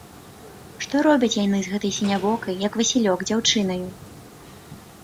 Што робяць яны з гэтай сінявокай, як васілёк, дзяўчынаю?